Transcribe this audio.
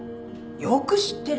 よく知ってるねぇ。